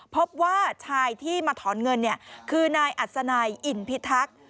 พบว่าชายที่มาถอนเงินคือนายอัศนายอินพิทักษ์